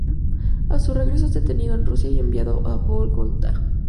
A su regreso es detenido en Rusia y enviado a Vólogda.